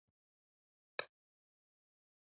توزیع د تولیداتو د خلکو ترمنځ ویش دی.